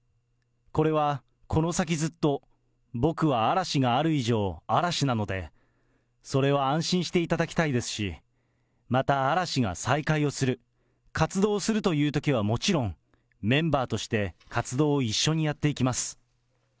これはこの先ずっと、僕は嵐がある以上、嵐なので、それは安心していただきたいですし、また、嵐が再開をする、活動するというときはもちろん、メンバーとして活動を一緒にやっていきます。